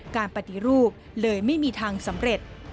การปฏิรูปเลยไม่มีทางสำเร็จ